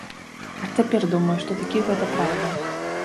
Аж цяпер думаю, што такі гэта праўда.